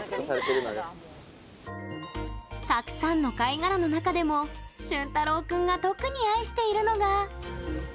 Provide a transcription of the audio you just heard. たくさんの貝殻の中でもしゅんたろう君が特に愛しているのが。